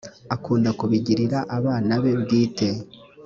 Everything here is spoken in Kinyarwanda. akunda kubigirira abana be bwite